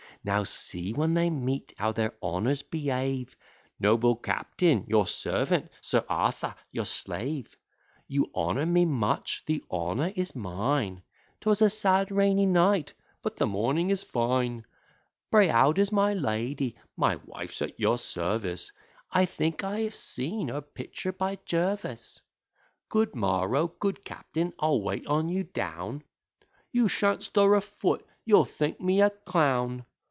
"Now see, when they meet, how their honours behave; 'Noble captain, your servant' 'Sir Arthur, your slave; You honour me much' 'The honour is mine.' ''Twas a sad rainy night' 'But the morning is fine.' 'Pray, how does my lady?' 'My wife's at your service.' 'I think I have seen her picture by Jervas.' 'Good morrow, good captain' 'I'll wait on you down' 'You shan't stir a foot' 'You'll think me a clown.'